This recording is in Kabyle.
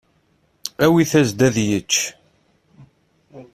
Awit-as-d ad yečč.